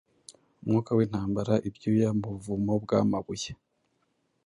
Umwuka wintambara-ibyuya mubuvumo bwamabuye